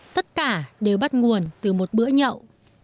tất cả đều bắt nguồn từ một bữa nhậu